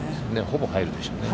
ほぼ入るでしょうね。